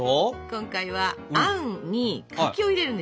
今回はあんに柿を入れるんですよ。